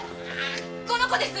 この子です！